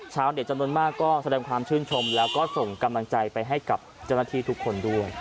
เด็ดจำนวนมากก็แสดงความชื่นชมแล้วก็ส่งกำลังใจไปให้กับเจ้าหน้าที่ทุกคนด้วย